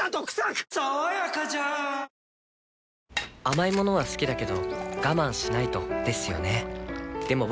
甘い物は好きだけど我慢しないとですよね